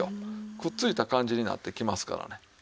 くっついた感じになってきますからね。